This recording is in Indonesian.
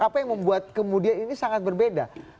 apa yang membuat kemudian ini sangat berbeda